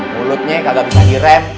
mulutnya kagak bisa direm